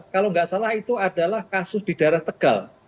kalau nggak salah itu adalah kasus di daerah tegal